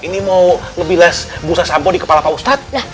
ini mau ngebilas busa sampo di kepala pak ustadz